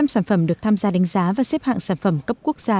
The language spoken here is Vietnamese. một trăm linh sản phẩm được tham gia đánh giá và xếp hạng sản phẩm cấp quốc gia